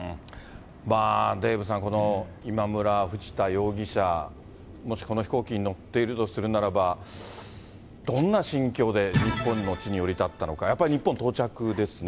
デーブさん、この今村、藤田容疑者、もしこの飛行機に乗っているとするならば、どんな心境で日本の地に降り立ったのか、やっぱり日本到着ですね。